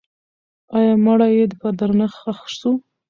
آیا مړی یې په درنښت ښخ سو؟